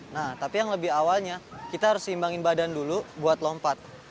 nah tapi yang lebih awalnya kita harus seimbangin badan dulu buat lompat